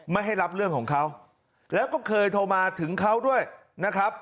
ไม่ให้รับเรื่องของเขาแล้วก็เคยโทรมาถึงเขาด้วยนะครับ